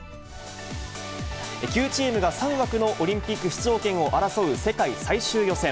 ９チームが３枠のオリンピック出場権を争う、世界最終予選。